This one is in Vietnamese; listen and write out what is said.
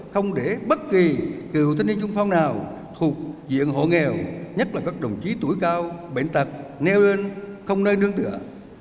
không để bất kỳ cựu thanh niên sung phong nào thuộc diện hộ nghèo nhất là các đồng chí tuổi cao bệnh tật nêu lên không nơi nương tựa